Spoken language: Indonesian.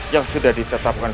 yang sudah ditetapkan